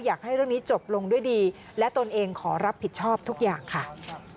อยากให้เรื่องนี้จบลงด้วยดีและตนเองขอรับผิดชอบทุกอย่างค่ะ